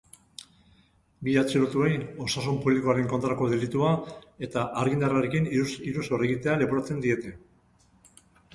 Bi atxilotuei osasun publikoaren kontrako delitua eta argindarrarekin iruzur egitea leporatzen diete.